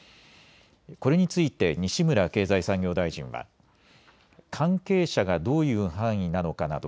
これについて西村経済産業大臣は関係者がどういう範囲なのかなど